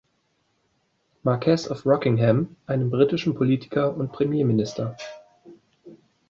Marquess of Rockingham, einem britischen Politiker und Premierminister.